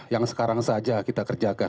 yang sekarang saja kita kerjakan